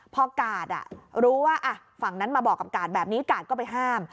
พอกาดรู้ว่าฝั่งนั้นมาบอกกับกาดแบบนี้กาดก็ไปห้าม